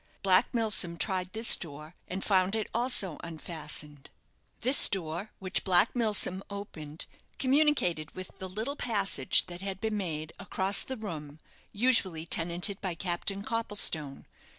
Black Milsom tried this door, and found it also unfastened. This door, which Black Milsom opened, communicated with the little passage that had been made across the room usually tenanted by Captain Copplestone.